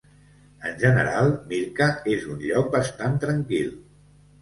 En general, Mirca és un lloc bastant tranquil.